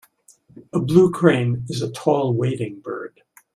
A blue crane is a tall wading bird.